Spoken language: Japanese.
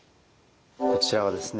こちらはですね